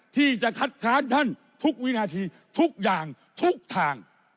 ที่จะคัดค้านท่านทุกวินาทีทุกอย่างทุกทาง